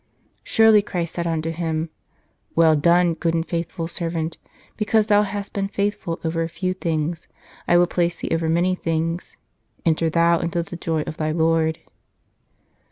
" Surely Christ said unto him : Well done, good and faithful servant ; because thou hast been faith ful over a few things, I will place thee over many things : enter thou into the joy of thy Lord.